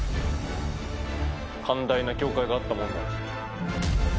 寛大な教会があったもんだ。